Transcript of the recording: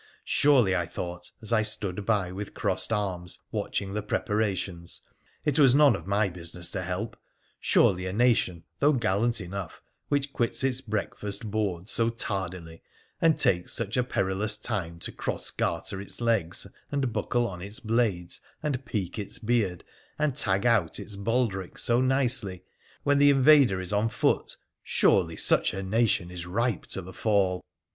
Surely, I thought, as I stood by with crossed arms watching the prepara tions it was none of my business to help — surely a nation, though gallant enough, which quits its breakfast board so tardily, and takes such a perilous time to cross garter its legs, and buckle on its blades, and peak its beard, and tag out its baldric so nicely, when the invader is on foot — surely such a nation is ripe to the fall